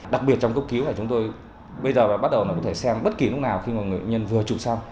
đặc biệt trong cấp cứu là chúng tôi bây giờ bắt đầu xem bất kỳ lúc nào khi bệnh nhân vừa trụ xong